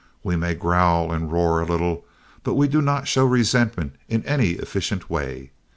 We may growl and roar a little, but we do not show resentment in any efficient way.